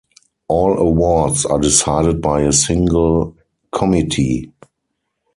All awards are decided by a single committee.